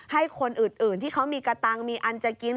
ให้คนอื่นที่เขามีกระตังค์มีอันจะกิน